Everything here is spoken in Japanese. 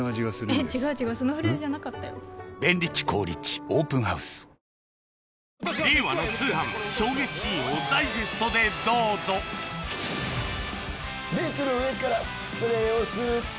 ＷＩＬＫＩＮＳＯＮ令和の通販衝撃シーンをダイジェストでどうぞメイクの上からスプレーをすると。